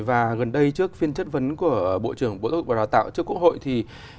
và gần đây trước phiên chất vấn của bộ trưởng bộ giáo dục và đào tạo trước quốc hội thì